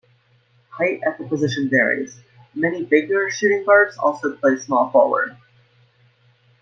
Height at the position varies; many bigger shooting guards also play small forward.